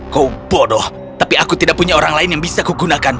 kau bodoh tapi aku tidak punya orang lain yang bisa kugunakan